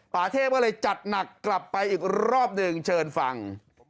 ป่าเทพก็เลยจัดหนักกลับไปอีกรอบหนึ่งเชิญฟัง